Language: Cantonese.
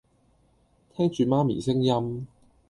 聽住媽咪聲音